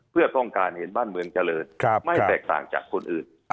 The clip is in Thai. เพื่อต้องการเห็นบ้านเมืองเจริญไม่แตกต่างจากคนอื่น